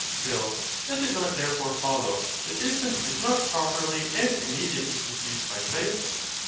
PHIL. Doth it not therefore follow that distance is not properly and immediately perceived by sight?